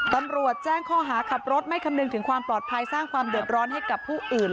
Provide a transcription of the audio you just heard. ตำรวจแจ้งข้อหาขับรถไม่คำนึงถึงความปลอดภัยสร้างความเดือดร้อนให้กับผู้อื่น